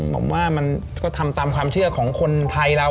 ผมว่ามันก็ทำตามความเชื่อของคนไทยเรา